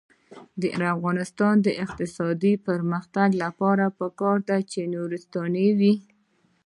د افغانستان د اقتصادي پرمختګ لپاره پکار ده چې نورستاني وي.